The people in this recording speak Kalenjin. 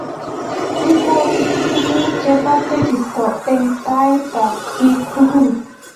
Ibwat tuguk che bo teegisto eng' taitab bik tugul.